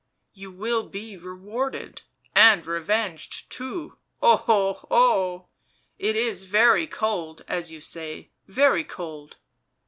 u You will be rewarded, and revenged too — o — ho — o f it is very cold, as you say, very cold."